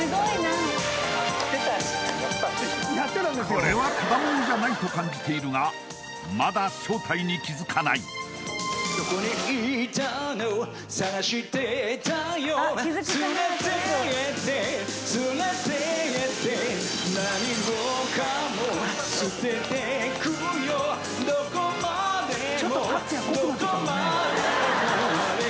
これは只者じゃないと感じているがまだ正体に気づかないこの歌知ってます？